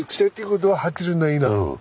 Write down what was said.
うん。